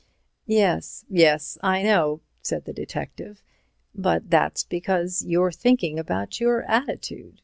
"Yes, yes, I know," said the detective, "but that's because you're thinking about your attitude.